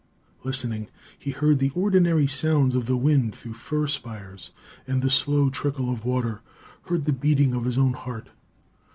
Listening, he heard the ordinary sounds of the wind through the fir spires, and the slow trickle of water; heard the beating of his own heart.